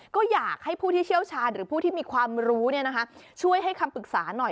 ก็อยากให้ผู้ที่เชี่ยวชาญหรือผู้ที่มีความรู้ช่วยให้คำปรึกษาหน่อย